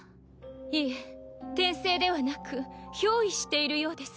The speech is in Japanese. いえ転生ではなく憑依しているようです。